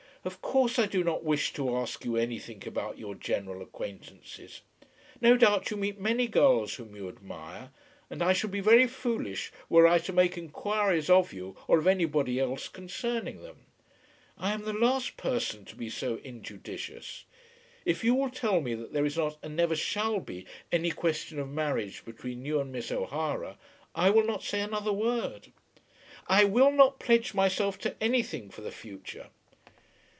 Of course I do not wish to ask you anything about your general acquaintances. No doubt you meet many girls whom you admire, and I should be very foolish were I to make inquiries of you or of anybody else concerning them. I am the last person to be so injudicious. If you will tell me that there is not and never shall be any question of marriage between you and Miss O'Hara, I will not say another word." "I will not pledge myself to anything for the future."